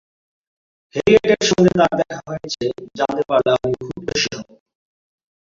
হ্যারিয়েটের সঙ্গে তাঁর দেখা হয়েছে জানতে পারলে আমি খুব খুশী হব।